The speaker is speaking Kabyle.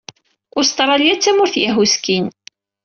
Ustṛalya d tamurt yehhuskin.